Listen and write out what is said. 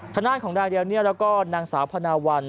คณะของด้านเดียวนี้แล้วก็นางสาวพนาวัล